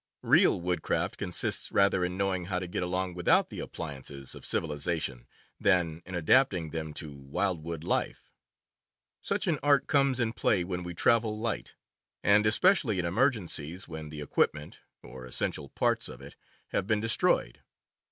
Real woodcraft consists rather in knowing how to get along without the appliances of civilization than in adapting them to wildwood life. Such an art comes in play when we travel "light," and especially in emergen cies, when the equipment, or essential parts of it, have been destroyed.